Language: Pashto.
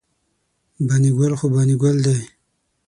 بانی ګل خو بانی ګل داي